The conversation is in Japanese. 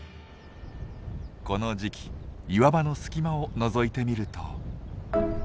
この時期岩場の隙間をのぞいてみると。